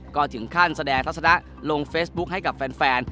ก็ถึงขั้นแสดงทัศนะลงเฟซบุ๊คให้กับแฟน